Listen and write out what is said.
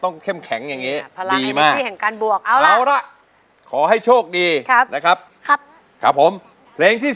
เต็มที่วันนี้เต็มที่